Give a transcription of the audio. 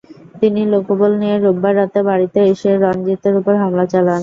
তিনি লোকবল নিয়ে রোববার রাতে বাড়িতে এসে রণজিতের ওপর হামলা চালান।